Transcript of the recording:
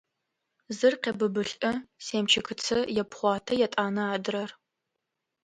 Зыр къебыбылӏэ, семчыкыцэ епхъуатэ, етӏанэ–адрэр…